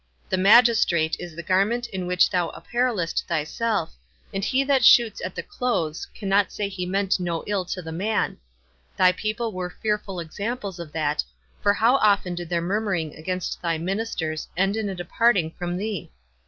The magistrate is the garment in which thou apparelest thyself, and he that shoots at the clothes cannot say he meant no ill to the man: thy people were fearful examples of that, for how often did their murmuring against thy ministers end in a departing from thee!